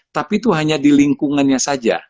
tapi itu hanya di lingkungannya saja